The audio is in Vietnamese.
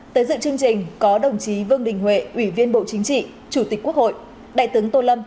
tới dự chương trình có đồng chí vương đình huệ ủy viên bộ chính trị chủ tịch quốc hội đại tướng tô lâm